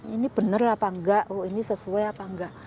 ini bener apa enggak ini sesuai apa enggak